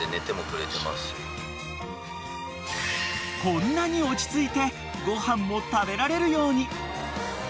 ［こんなに落ち着いてご飯も食べられるように］